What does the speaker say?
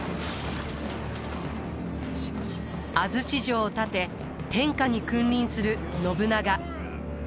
安土城を建て天下に君臨する信長。